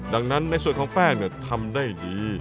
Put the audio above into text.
ดังนั้นในส่วนของแป้งทำได้ดี